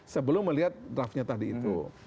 sebelum melihat draftnya tadi itu